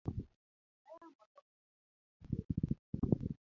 Kayamo oloko to ji nyaka tuore.